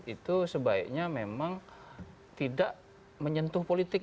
itu sebaiknya memang tidak menyentuh politik